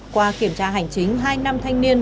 qua kiểm tra hành chính hai năm thanh niên